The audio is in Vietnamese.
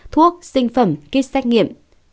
thuốc sinh phẩm kích xét nghiệm